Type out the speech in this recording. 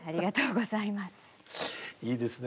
いいですね